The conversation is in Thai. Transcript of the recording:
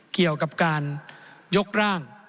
เกี่ยวกับการยกร่าง